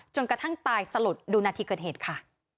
กระทั่งตายสลดดูนาทีเกิดเหตุค่ะ